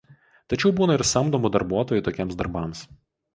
Tačiau būna ir samdomų darbuotojų tokiems darbams.